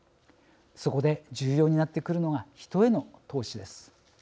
そこで重要になってくるのが人への投資です。